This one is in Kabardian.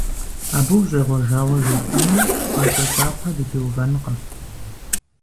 Абы ущӀегъуэжауэ жепӀэмэ, щӀакӀуэ кӀапэ дытеувэнкъым.